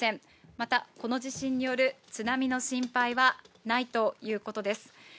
また、この地震による津波の心配はないということです。